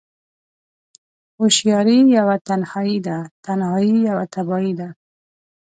هوشیاری یوه تنهایی ده، تنهایی یوه تباهی ده